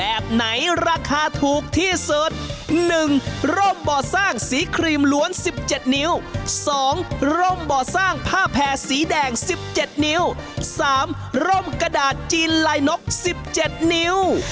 เอ็งซื้อป้ายนี้ไปติดเลยอ๋อ